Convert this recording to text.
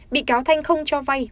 bị cáo thanh không cho vay